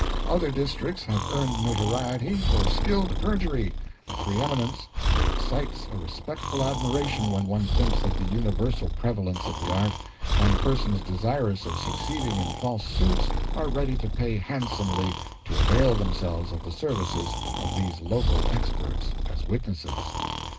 Other districts have earned notoriety for skilled perjury, a pre eminence that excites a respectful admiration when one thinks of the universal prevalence of the art, and persons desirous of succeeding in false suits are ready to pay handsomely to avail themselves of the services of these local experts as witnesses."